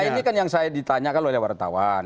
nah ini kan yang saya ditanyakan oleh wartawan